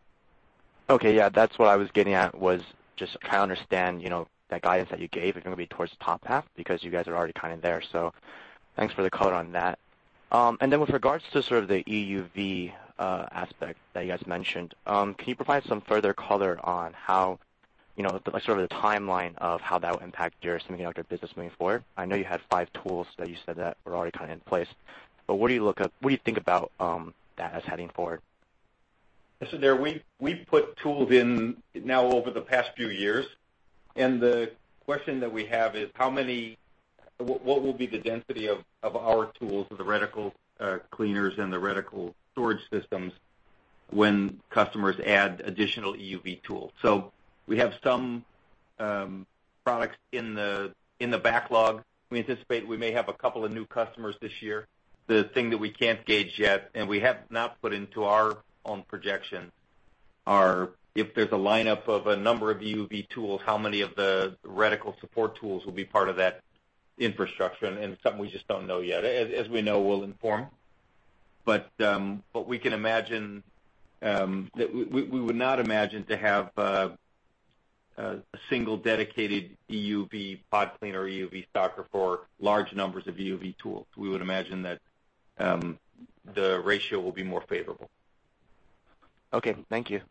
Okay. Yeah, that's what I was getting at, was just kind of understand that guidance that you gave is going to be towards the top half because you guys are already kind of there, so thanks for the color on that. With regards to sort of the EUV aspect that you guys mentioned, can you provide some further color on sort of the timeline of how that will impact your semiconductor business moving forward? I know you had five tools that you said that were already kind of in place, what do you think about that as heading forward? Listen, Darren, we've put tools in now over the past few years, the question that we have is what will be the density of our tools, the reticle cleaners and the reticle storage systems when customers add additional EUV tools? We have some products in the backlog. We anticipate we may have a couple of new customers this year. The thing that we can't gauge yet, we have not put into our own projections, are if there's a lineup of a number of EUV tools, how many of the reticle support tools will be part of that infrastructure, and it's something we just don't know yet. As we know, we'll inform. We would not imagine to have a single dedicated EUV pod cleaner or EUV stocker for large numbers of EUV tools. We would imagine that the ratio will be more favorable. Okay. Thank you.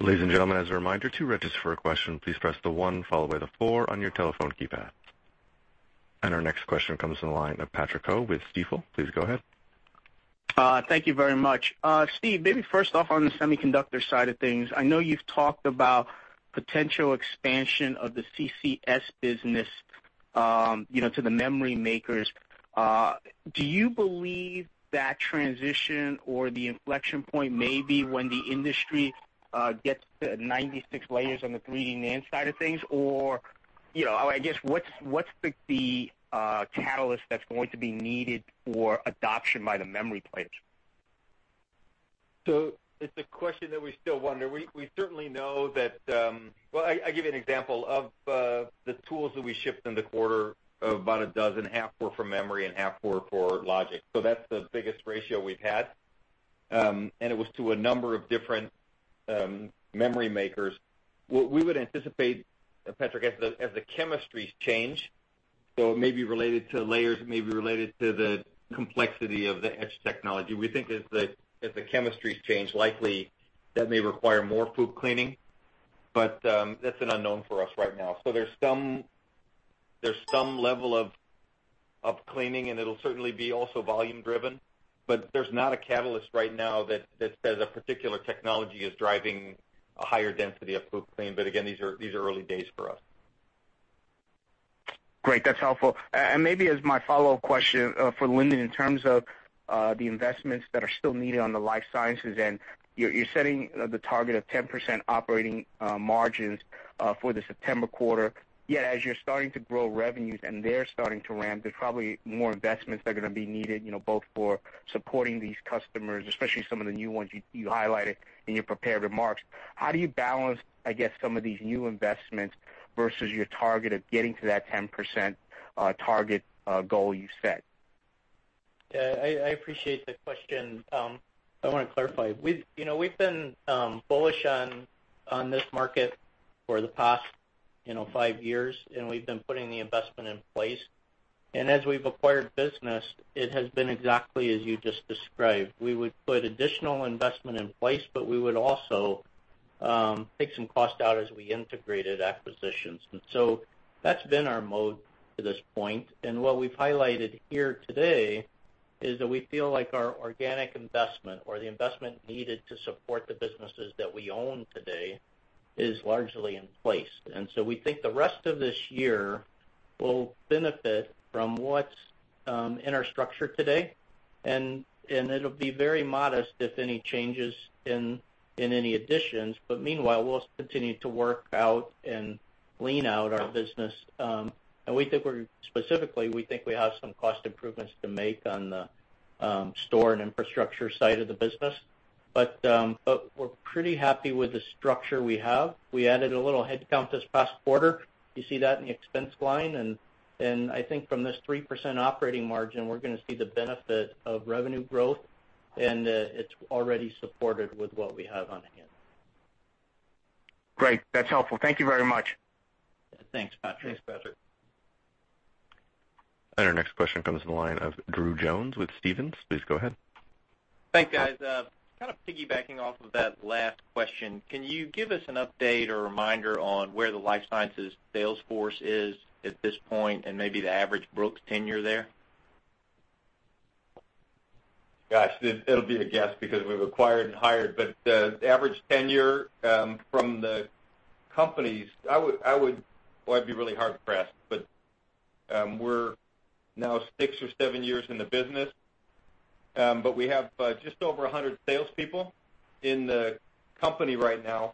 Ladies and gentlemen, as a reminder, to register for a question, please press the one followed by the four on your telephone keypad. Our next question comes from the line of Patrick Ho with Stifel. Please go ahead. Thank you very much. Steve, maybe first off on the Semiconductor Solutions side of things, I know you've talked about potential expansion of the CCS business to the memory makers. Do you believe that transition or the inflection point may be when the industry gets to 96 layers on the 3D NAND side of things, or I guess, what's the catalyst that's going to be needed for adoption by the memory players? It's a question that we still wonder. I give you an example. Of the tools that we shipped in the quarter, about a dozen, half were for memory and half were for logic. That's the biggest ratio we've had. It was to a number of different memory makers. What we would anticipate, Patrick, as the chemistries change, it may be related to layers, it may be related to the complexity of the etch technology. We think as the chemistries change, likely that may require more FOUP cleaning, but that's an unknown for us right now. There's some level of cleaning, and it'll certainly be also volume driven, but there's not a catalyst right now that says a particular technology is driving a higher density of FOUP clean. Again, these are early days for us. Great. That's helpful. Maybe as my follow-up question for Lindon in terms of the investments that are still needed on the Life Sciences, and you're setting the target of 10% operating margins for the September quarter. As you're starting to grow revenues and they're starting to ramp, there's probably more investments that are going to be needed, both for supporting these customers, especially some of the new ones you highlighted in your prepared remarks. How do you balance, I guess, some of these new investments versus your target of getting to that 10% target goal you set? I appreciate the question. I want to clarify. We've been bullish on this market for the past five years, and we've been putting the investment in place. As we've acquired business, it has been exactly as you just described. We would put additional investment in place, but we would also take some cost out as we integrated acquisitions. That's been our mode to this point. What we've highlighted here today is that we feel like our organic investment or the investment needed to support the businesses that we own today is largely in place. We think the rest of this year will benefit from what's in our structure today, and it'll be very modest if any changes in any additions. Meanwhile, we'll continue to work out and lean out our business. Specifically, we think we have some cost improvements to make on the store and infrastructure side of the business. We're pretty happy with the structure we have. We added a little headcount this past quarter. You see that in the expense line, and I think from this 3% operating margin, we're going to see the benefit of revenue growth, and it's already supported with what we have on hand. Great. That's helpful. Thank you very much. Thanks, Patrick. Thanks, Patrick. Our next question comes from the line of Drew Jones with Stephens. Please go ahead. Thanks, guys. Kind of piggybacking off of that last question, can you give us an update or reminder on where the Life Sciences sales force is at this point and maybe the average Brooks tenure there? Gosh, it'll be a guess because we've acquired and hired, but the average tenure from the companies, I would be really hard pressed, but we're now six or seven years in the business. We have just over 100 salespeople in the company right now.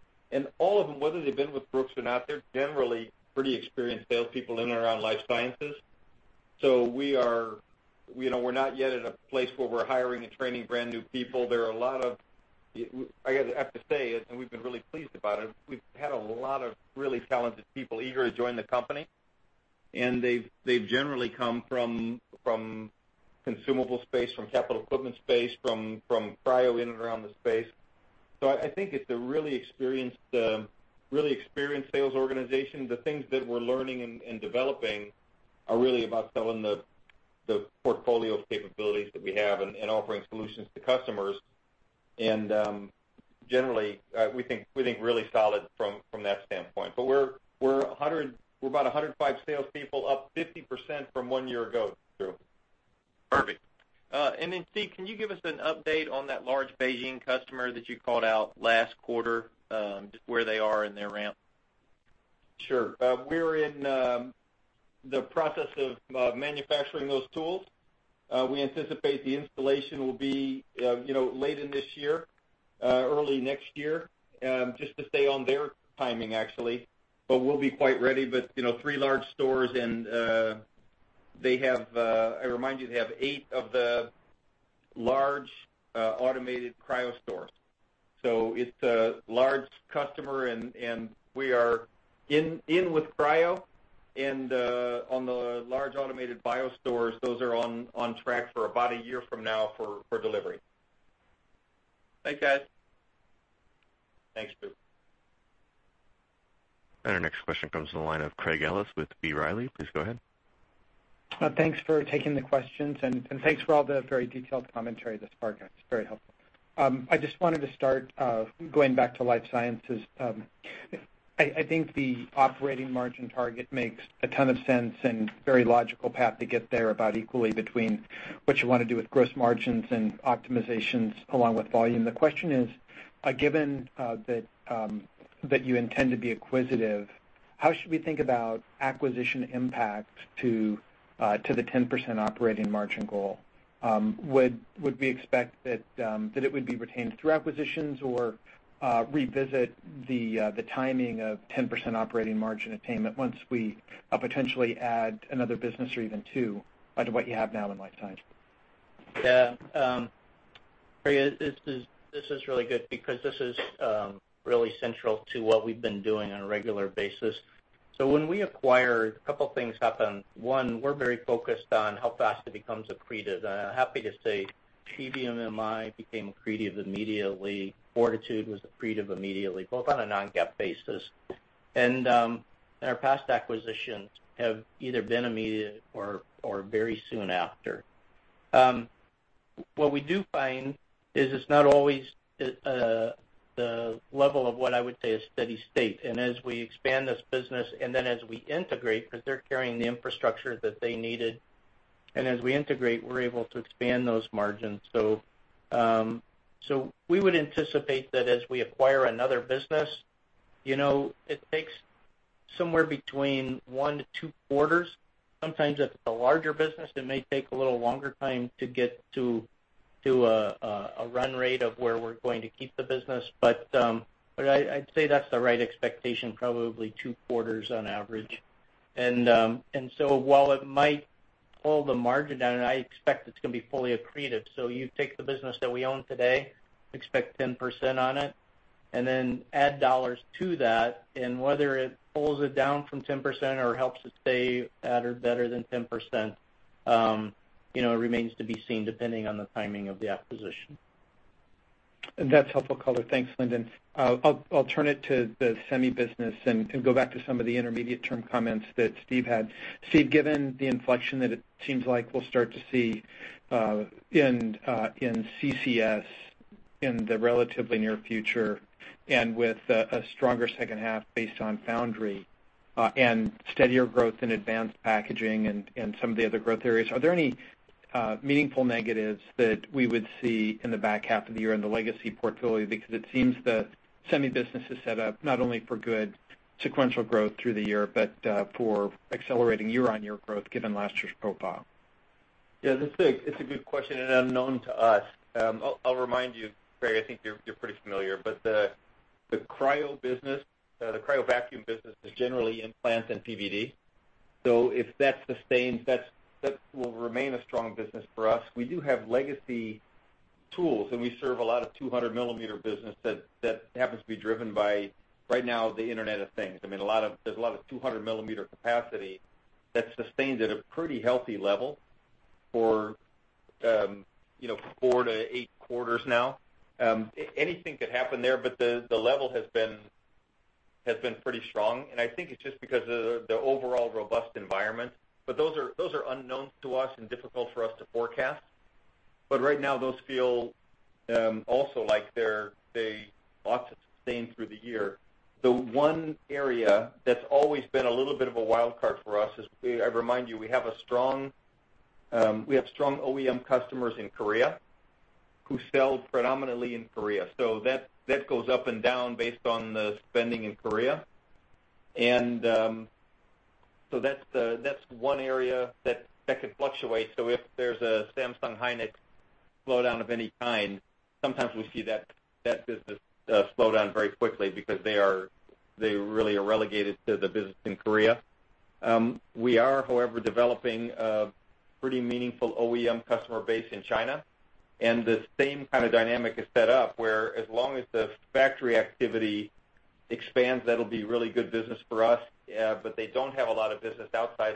All of them, whether they've been with Brooks or not, they're generally pretty experienced salespeople in and around Life Sciences. We're not yet at a place where we're hiring and training brand new people. I have to say it, and we've been really pleased about it. We've had a lot of really talented people eager to join the company, and they've generally come from consumable space, from capital equipment space, from cryo in and around the space. I think it's a really experienced sales organization. The things that we're learning and developing are really about selling the portfolio of capabilities that we have and offering solutions to customers. Generally, we think really solid from that standpoint. We're about 105 salespeople, up 50% from one year ago, Drew. Perfect. Steve, can you give us an update on that large Beijing customer that you called out last quarter, just where they are in their ramp? Sure. We're in the process of manufacturing those tools. We anticipate the installation will be late in this year, early next year, just to stay on their timing, actually. We'll be quite ready. Three large stores and I remind you, they have eight of the large automated cryo stores. It's a large customer, and we are in with cryo and on the large automated bio stores. Those are on track for about a year from now for delivery. Thanks, guys. Thanks, Drew. Our next question comes from the line of Craig Ellis with B. Riley. Please go ahead. Thanks for taking the questions, thanks for all the very detailed commentary thus far, guys. Very helpful. I just wanted to start, going back to Life Sciences. I think the operating margin target makes a ton of sense and very logical path to get there about equally between what you want to do with gross margins and optimizations along with volume. The question is, given that you intend to be acquisitive, how should we think about acquisition impacts to the 10% operating margin goal? Would we expect that it would be retained through acquisitions or revisit the timing of 10% operating margin attainment once we potentially add another business or even two onto what you have now in Life Sciences? Craig, this is really good because this is really central to what we've been doing on a regular basis. When we acquire, a couple things happen. One, we're very focused on how fast it becomes accretive. I'm happy to say PBMMI became accretive immediately. 4titude was accretive immediately, both on a non-GAAP basis. Our past acquisitions have either been immediate or very soon after. What we do find is it's not always the level of what I would say is steady state. As we expand this business, as we integrate, because they're carrying the infrastructure that they needed, as we integrate, we're able to expand those margins. We would anticipate that as we acquire another business, it takes somewhere between one to two quarters. Sometimes if it's a larger business, it may take a little longer time to get to a run rate of where we're going to keep the business. I'd say that's the right expectation, probably two quarters on average. While it might pull the margin down, I expect it's going to be fully accretive. You take the business that we own today, expect 10% on it, add dollars to that, whether it pulls it down from 10% or helps it stay at or better than 10%, remains to be seen, depending on the timing of the acquisition. That's helpful color. Thanks, Lindon. I'll turn it to the semi business and go back to some of the intermediate term comments that Steve had. Steve, given the inflection that it seems like we'll start to see in CCS in the relatively near future, and with a stronger second half based on foundry, and steadier growth in advanced packaging and some of the other growth areas, are there any meaningful negatives that we would see in the back half of the year in the legacy portfolio? Because it seems that semi business is set up not only for good sequential growth through the year, but for accelerating year-over-year growth, given last year's profile. Yeah, it's a good question, and unknown to us. I'll remind you, Craig, I think you're pretty familiar, but the Cryo business, the Cryo vacuum business, is generally in plants and PVD. If that sustains, that will remain a strong business for us. We do have legacy tools, and we serve a lot of 200-millimeter business that happens to be driven by, right now, the Internet of Things. There's a lot of 200-millimeter capacity that's sustained at a pretty healthy level for 4 to 8 quarters now. Anything could happen there, but the level has been pretty strong, and I think it's just because of the overall robust environment. Right now, those feel also like they ought to sustain through the year. The one area that's always been a little bit of a wild card for us is, I remind you, we have strong OEM customers in Korea who sell predominantly in Korea. That goes up and down based on the spending in Korea. That's one area that could fluctuate. If there's a Samsung SK hynix slowdown of any kind, sometimes we see that business slow down very quickly because they really are relegated to the business in Korea. We are, however, developing a pretty meaningful OEM customer base in China, and the same kind of dynamic is set up, where as long as the factory activity expands, that'll be really good business for us. They don't have a lot of business outside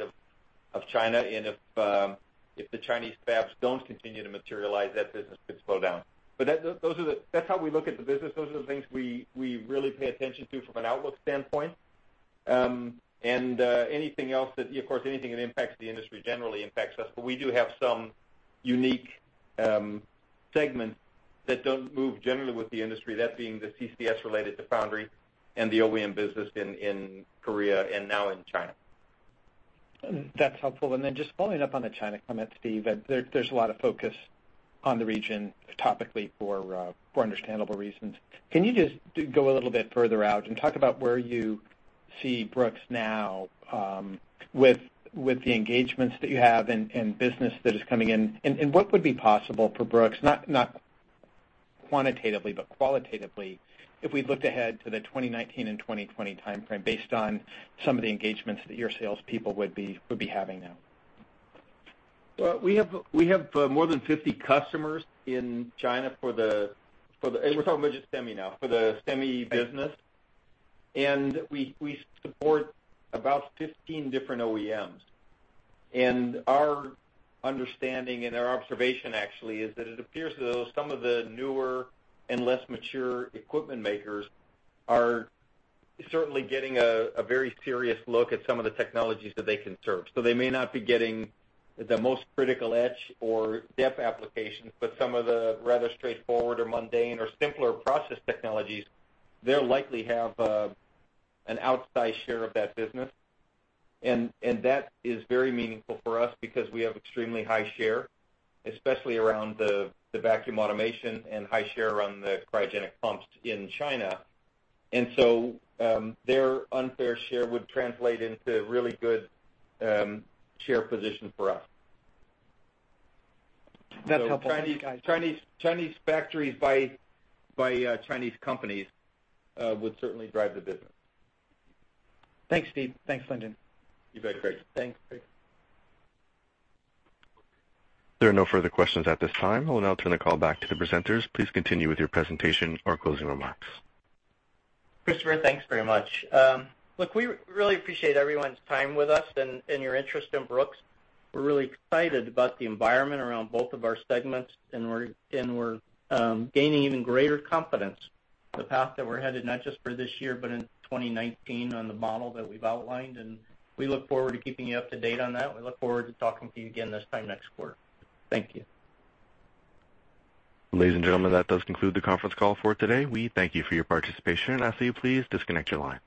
of China, and if the Chinese fabs don't continue to materialize, that business could slow down. That's how we look at the business. Those are the things we really pay attention to from an outlook standpoint. Anything else that, of course, anything that impacts the industry generally impacts us, but we do have some unique segments that don't move generally with the industry, that being the CCS related to foundry and the OEM business in Korea and now in China. That's helpful. Just following up on the China comment, Steve, there's a lot of focus on the region topically for understandable reasons. Can you just go a little bit further out and talk about where you see Brooks now with the engagements that you have and business that is coming in, and what would be possible for Brooks, not quantitatively, but qualitatively, if we looked ahead to the 2019 and 2020 timeframe based on some of the engagements that your salespeople would be having now? We have more than 50 customers in China for the, and we're talking about just semi now, for the semi business. We support about 15 different OEMs. Our understanding and our observation, actually, is that it appears as though some of the newer and less mature equipment makers are certainly getting a very serious look at some of the technologies that they can serve. They may not be getting the most critical etch or dep applications, but some of the rather straightforward or mundane or simpler process technologies, they'll likely have an outsized share of that business. That is very meaningful for us because we have extremely high share, especially around the vacuum automation, and high share on the cryogenic pumps in China. Their unfair share would translate into really good share position for us. That's helpful. Chinese factories by Chinese companies would certainly drive the business. Thanks, Steve. Thanks, Lindon. You bet, Craig. There are no further questions at this time. I will now turn the call back to the presenters. Please continue with your presentation or closing remarks. Christopher, thanks very much. Look, we really appreciate everyone's time with us and your interest in Brooks. We're really excited about the environment around both of our segments, and we're gaining even greater confidence the path that we're headed, not just for this year, but in 2019 on the model that we've outlined, and we look forward to keeping you up to date on that. We look forward to talking to you again this time next quarter. Thank you. Ladies and gentlemen, that does conclude the conference call for today. We thank you for your participation, and I ask that you please disconnect your lines.